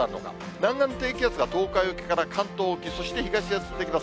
南岸低気圧が関東沖、そして東へ進んできます。